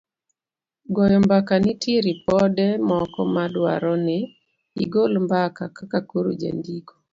goyo mbaka nitie ripode moko ma dwaro ni igol mbaka kaka koro jandiko